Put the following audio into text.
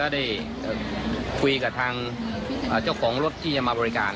ได้คุยกับทางเจ้าของรถที่จะมาบริการ